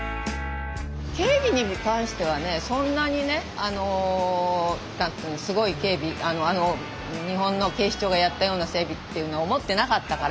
警備に関してはそんなにねすごい警備日本の警視庁がやったような警備っていうのは思ってなかったから。